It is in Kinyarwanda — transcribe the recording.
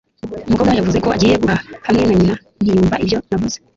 Umukobwa yavuze ko agiye guhaha hamwe na nyina ntiyumva ibyo navuze